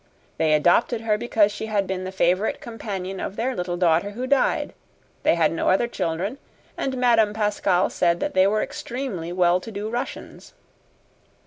They adopted her because she had been the favorite companion of their little daughter who died. They had no other children, and Madame Pascal said that they were extremely well to do Russians."